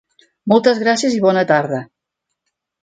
Moltes gràcies i bona tarda.